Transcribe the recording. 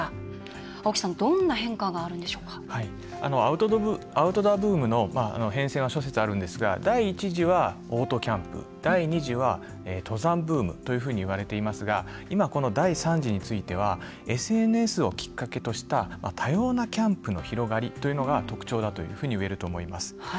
青木さん、どんな変化がアウトドアブームの変遷は諸説あるんですが第１次はオートキャンプ第２次は登山ブームといわれていますが今、第３次についてはＳＮＳをきっかけとした多様なキャンプの広がりというのが特徴だといえると思います。